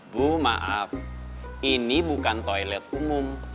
bu maaf ini bukan toilet umum